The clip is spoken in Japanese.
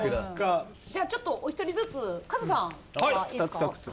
じゃあちょっとお一人ずつカズさんからいいですか？